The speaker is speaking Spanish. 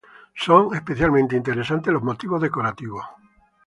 Son especialmente interesantes los motivos decorativos.